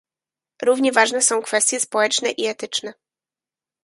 Równie ważne są kwestie społeczne i etyczne